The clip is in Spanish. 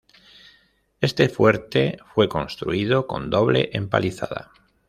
Este fuerte fue construido con doble empalizada.